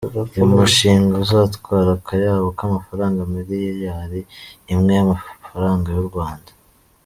Uyu mushinga uzatwara akayabo k’amafaranga miliyari imwe y’amafaranga y’u Rwanda.